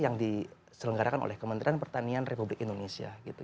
yang diselenggarakan oleh kementerian pertanian republik indonesia